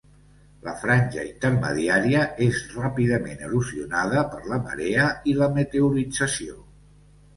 La franja intermediària és ràpidament erosionada per la marea i la meteorització.